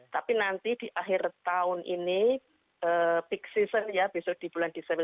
tapi nanti di akhir tahun ini peak season ya besok di bulan desember